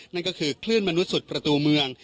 นั่นก็คือคลื่นมนุษย์สุดประตูเมือง